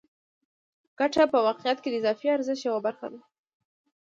ګته په واقعیت کې د اضافي ارزښت یوه برخه ده